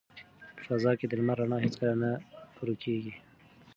په فضا کې د لمر رڼا هیڅکله نه ورکیږي.